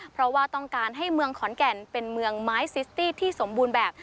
เพราะว่าต้องการให้เมืองขอนแก่นเป็นเมืองไม้ซิสตี้ที่สมบูรณ์แบบ